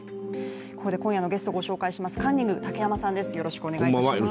ここで今夜のゲストをご紹介します、カンニング竹山さんです。